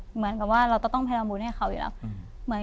เหมือนกับว่าเราต้องแพรมบุญให้เขาอยู่แล้ว